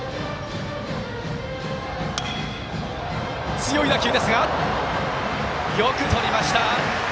強い打球ですがよくとりました！